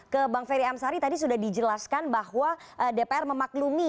ke bang ferry amsari tadi sudah dijelaskan bahwa dpr memaklumi